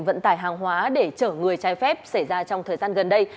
vận tải hàng hóa để chở người trái phép xảy ra trong thời gian gần đây